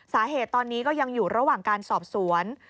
สาเหตุตอนนี้ก็ยังอยู่ระหว่างการสอบสวน